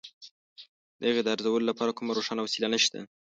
د هغې د ارزولو لپاره کومه روښانه وسیله نشته.